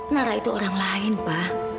nara itu orang lain pa